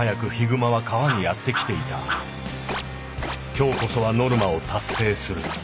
今日こそはノルマを達成する。